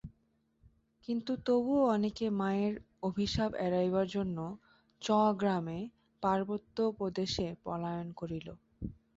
কিন্তু তবুও অনেকে মায়ের অভিশাপ এড়াইবার জন্য চ-গ্রামে পার্বত্য প্রদেশে পলায়ন করিল।